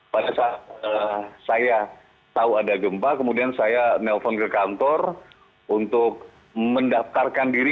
pada saat saya tahu ada gempa kemudian saya nelfon ke kantor untuk mendaftarkan diri